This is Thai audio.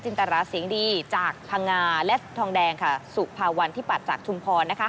จินตราเสียงดีจากภังงาและทองแดงค่ะสุภาวัณฑ์ที่ปัดจากชุมพรนะคะ